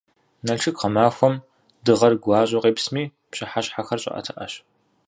Налшык гъэмахуэм дыгъэр гуащӏэу къепсми, пщыхьэщхьэхэр щӏыӏэтыӏэщ.